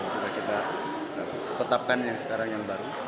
sudah kita tetapkan yang sekarang yang baru